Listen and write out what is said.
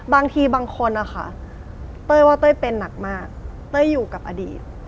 บางทีบางคนนะคะเต้ยว่าเต้ยเป็นหนักมากเต้ยอยู่กับอดีต